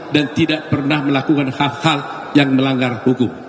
dan tidak pernah melakukan hal hal yang melanggar hukum